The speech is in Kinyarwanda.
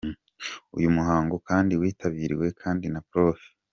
Uyu muhango kandi witabiriwe kandi na Prof.